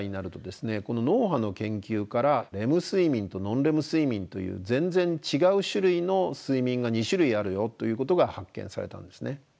脳波の研究からレム睡眠とノンレム睡眠という全然違う種類の睡眠が２種類あるよということが発見されたんですね。